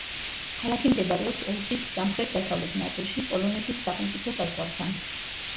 ქალაქი მდებარეობს ოლქის სამხრეთ-დასავლეთ ნაწილში, პოლონეთის სახელმწიფო საზღვართან.